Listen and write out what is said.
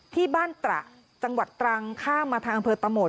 ตระจังหวัดตรังข้ามมาทางอำเภอตะโหมด